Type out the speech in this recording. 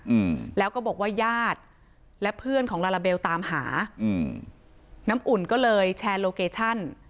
อืมแล้วก็บอกว่าญาติและเพื่อนของลาลาเบลตามหาอืมน้ำอุ่นก็เลยแชร์โลเคชั่น